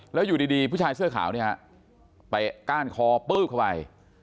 แล้วอยู่ดีผู้ชายเสื้อขาวไปก้านคอปึ๊บเข้าไว้